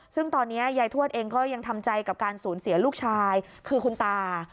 ซึ่งตอนนี้ยายทวดเองก็ยังทำใจกับการสูญเสียลูกชายคือคุณตา